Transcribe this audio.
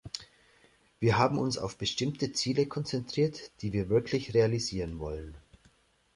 Wir haben uns auf bestimmte Ziele konzentriert, die wir wirklich realisieren wollen.